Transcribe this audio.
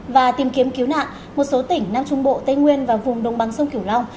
và tìm kiếm cứu nạn một số tỉnh nam trung bộ tây nguyên và vùng đồng bằng sông kiểu long